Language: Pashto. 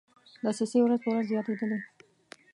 دسیسې ورځ په ورځ زیاتېدلې.